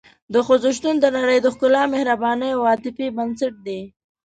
د ښځې شتون د نړۍ د ښکلا، مهربانۍ او عاطفې بنسټ دی.